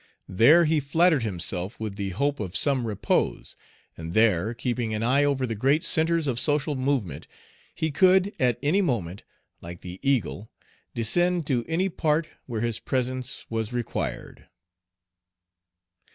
There he flattered himself with the hope of some repose, and there, keeping an eye over the great centres of social movement, he could at any moment, like the eagle, descend to any part where his presence was required.